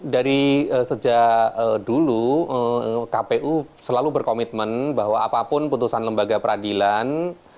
dari sejak dulu kpu selalu berkomitmen bahwa apapun putusan lembaga peradilan